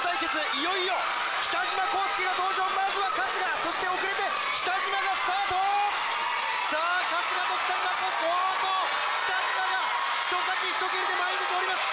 いよいよ北島康介が登場まずは春日そして遅れて北島がスタートさあ春日と北島康介おっと北島がひとかきひと蹴りで前に出ております